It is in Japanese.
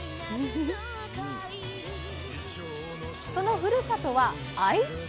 そのふるさとは愛知県。